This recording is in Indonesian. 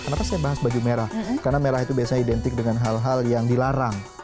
kenapa saya bahas baju merah karena merah itu biasanya identik dengan hal hal yang dilarang